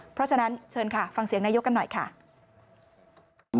เพราะฉะนั้นเชิญค่ะฟังเสียงนายกกันหน่อยค่ะ